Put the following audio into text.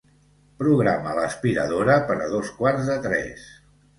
Programa l'aspiradora per a dos quarts de tres.